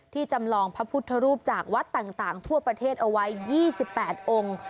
จำลองพระพุทธรูปจากวัดต่างทั่วประเทศเอาไว้๒๘องค์